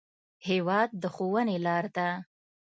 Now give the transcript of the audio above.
هېواد د ښوونې لار ده.